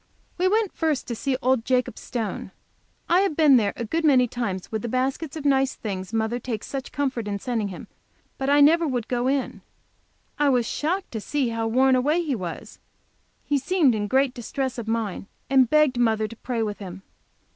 We went first to see old Jacob Stone. I have been there a good many times with the baskets of nice things mother takes such comfort in sending him, but never would go in. I was shocked to see how worn away he was. He seemed in great distress of mind, and begged mother to pray with him.